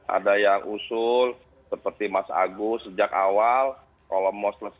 ada yang usul seperti mas agus sejak awal kalau mas agus selesai kalau mas agus konsepnya